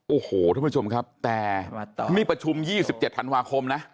โอ้โหท่านผู้ชมครับแต่นี่ประชุม๒๗ธันวาคมนะ